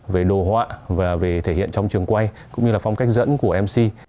về đồ họa và thể hiện trong trường quay cũng như phong cách dẫn của mc